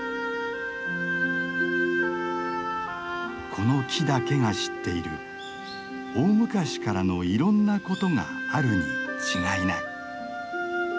この木だけが知っている大昔からのいろんなことがあるに違いない。